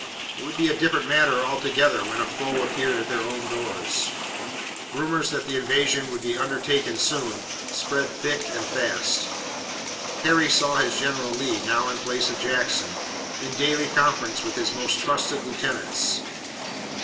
It would be a different matter altogether when a foe appeared at their own doors. Rumors that the invasion would be undertaken soon spread thick and fast. Harry saw his general, Lee now in place of Jackson, in daily conference with his most trusted lieutenants.